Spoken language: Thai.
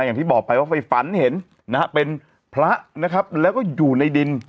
อย่างที่บอกไปว่าไปฝันเห็นนะฮะเป็นพระนะครับแล้วก็อยู่ในดิน